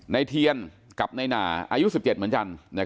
ในเทียนกับนายหนาอายุ๑๗เหมือนกัน